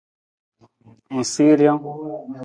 Ng sii rijang.